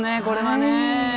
これはね。